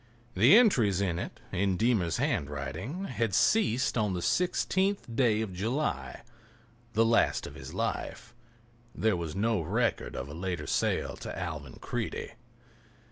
The entries in it, in Deemer's handwriting, had ceased on the 16th day of July, the last of his life. There was no record of a later sale to Alvan Creede.